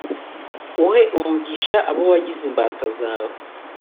uhe umugisha abo wagize imbata zawe